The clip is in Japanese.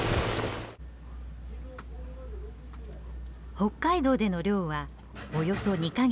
北海道での漁はおよそ２か月。